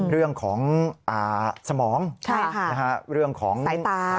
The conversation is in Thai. เรื่องของสมองเรื่องของตา